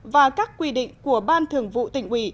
và các quy định của ban thường vụ tỉnh ủy